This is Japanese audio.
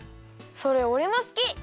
それおれもすき。